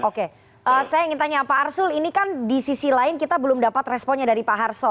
oke saya ingin tanya pak arsul ini kan di sisi lain kita belum dapat responnya dari pak harso